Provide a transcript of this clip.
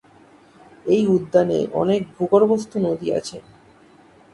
এই উদ্যানে অনেক ভূগর্ভস্থ নদী আছে।